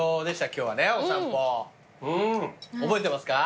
覚えてますか？